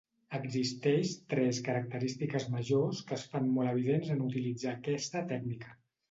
Existeix tres característiques majors que es fan molt evidents en utilitzar aquesta tècnica.